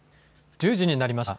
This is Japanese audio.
１０時になりました。